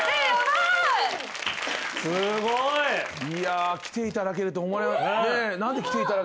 いや来ていただけると。